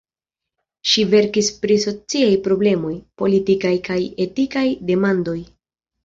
Ŝi verkis pri sociaj problemoj, politikaj kaj etikaj demandoj.